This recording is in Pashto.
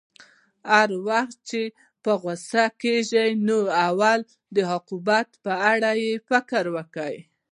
هر وخت چې په غوسه کېږې نو اول د عواقبو په اړه فکر کوه.